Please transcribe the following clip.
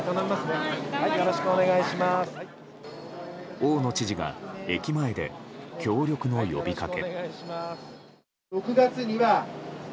大野知事が駅前で協力の呼びかけ。